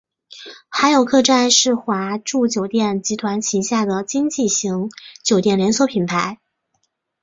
海友客栈是华住酒店集团旗下的经济型酒店连锁品牌。